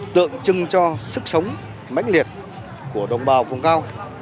tượng trưng cho sức sống mãnh liệt của đồng bào vùng cao